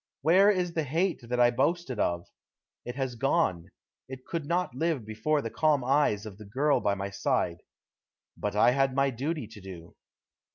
Where is the hate that I boasted of? It has gone. It could not live before the calm eyes of the girl by my side. But I had my duty to do.